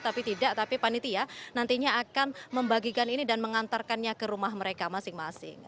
tapi tidak tapi panitia nantinya akan membagikan ini dan mengantarkannya ke rumah mereka masing masing